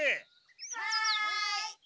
はい！